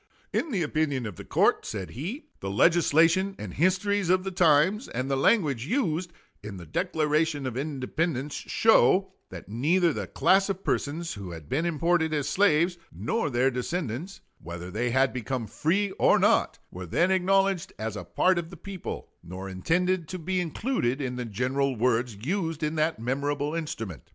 In the opinion of the court [said he] the legislation and histories of the times, and the language used in the Declaration of Independence, show, that neither the class of persons who had been imported as slaves, nor their descendants, whether they had become free or not, were then acknowledged as a part of the people, nor intended to be included in the general words used in that memorable instrument.